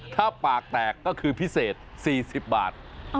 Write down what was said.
ถ้าปากแตกก็คือพิเศษ๔๐บาท